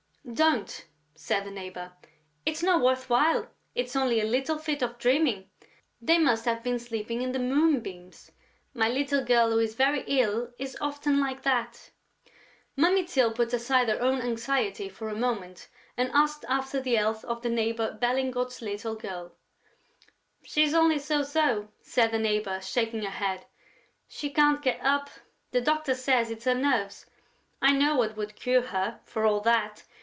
"Don't," said the neighbor; "it's not worth while. It's only a little fit of dreaming; they must have been sleeping in the moonbeams.... My little girl, who is very ill, is often like that...." Mummy Tyl put aside her own anxiety for a moment and asked after the health of Neighbor Berlingot's little girl. "She's only so so," said the neighbor, shaking her head. "She can't get up.... The doctor says it's her nerves.... I know what would cure her, for all that.